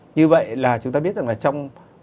như vậy là chúng ta biết rằng là trong